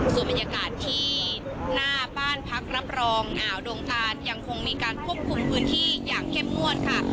ส่วนบรรยากาศที่หน้าบ้านพักรับรองอ่าวดงตานยังคงมีการควบคุมพื้นที่อย่างเข้มงวดค่ะ